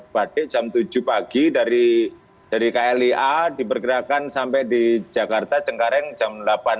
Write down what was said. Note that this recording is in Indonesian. pada jam tujuh pagi dari klia dipergerakan sampai di jakarta cengkareng jam delapan tiga puluh